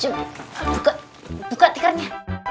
buka buka tikarnya